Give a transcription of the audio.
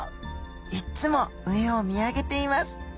いっつも上を見上げています。